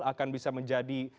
akan bisa menjadi